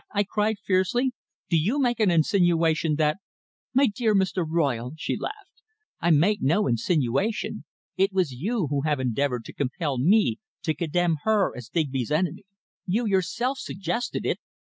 I cried fiercely. "Do you make an insinuation that " "My dear Mr. Royle," she laughed, "I make no insinuation. It was you who have endeavoured to compel me to condemn her as Digby's enemy. You yourself suggested it!"